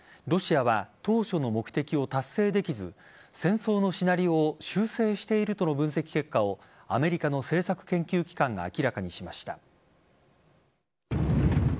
ロシアは当初の目的を達成できず戦争のシナリオを修正しているとの分析結果をアメリカの政策研究機関が明らかにしました。